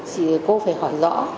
chị cô phải hỏi rõ